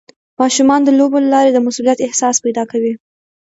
ماشومان د لوبو له لارې د مسؤلیت احساس پیدا کوي.